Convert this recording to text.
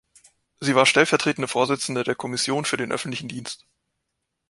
Sie war Stellvertretende Vorsitzende der Kommission für den Öffentlichen Dienst.